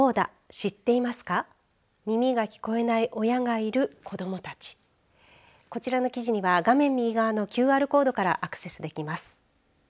知ってますか耳が聞こえない親がいる子どもたちこちらの記事には画面右側のＱＲコードからアクセスできます。